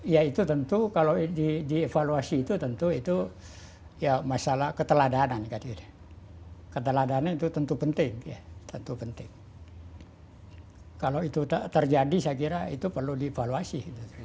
ya itu tentu kalau di evaluasi itu tentu itu ya masalah keteladanan keteladanan itu tentu penting ya tentu penting kalau itu terjadi saya kira itu perlu dievaluasi